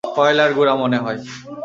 কয়লার গুড়া মনেহয়।